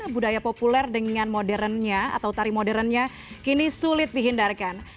budaya populer dengan modernnya atau tari modernnya kini sulit dihindarkan